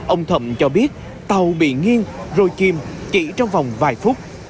ông thậm cho biết tàu bị nghiêng rồi chim chỉ trong vòng vài phút